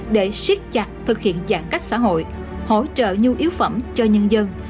để siết chặt thực hiện giãn cách xã hội hỗ trợ nhu yếu phẩm cho nhân dân